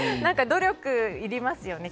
努力、いりますよね。